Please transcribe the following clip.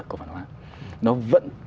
cổ phần hóa nó vẫn